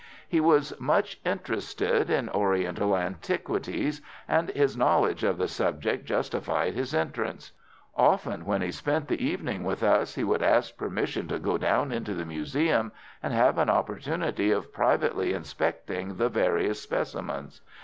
"He was much interested in Oriental antiquities, and his knowledge of the subject justified his interest. Often when he spent the evening with us he would ask permission to go down into the museum and have an opportunity of privately inspecting the various specimens.